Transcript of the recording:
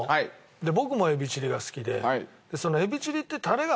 で僕もエビチリが好きで。